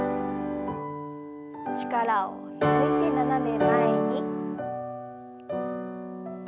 力を抜いて斜め前に。